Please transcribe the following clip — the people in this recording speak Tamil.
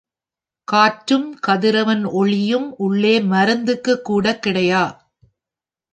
காற்றும் கதிரவன் ஒளியும் உள்ளே மருந்துக்குக்கூடக் கிடையா.